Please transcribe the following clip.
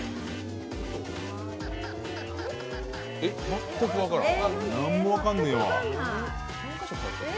全く分からん。